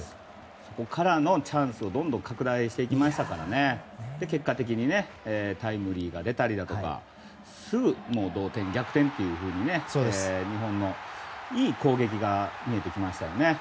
そこからチャンスをどんどん拡大していきましたし結果的に、タイムリーが出たりすぐ同点、逆転というふうに日本のいい攻撃が見えてきましたよね。